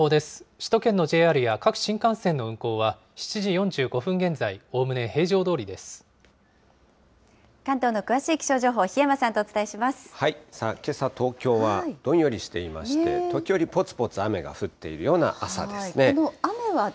首都圏のＪＲや各新幹線の運行は７時４５分現在、おおむね平常ど関東の詳しい気象情報、けさ、東京はどんよりしていまして、時折ぽつぽつと雨が降っているような朝ですね。